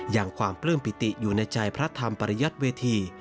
อย่างความปลื้มปิติอยู่ในใจพระธรรมปริยัติเวที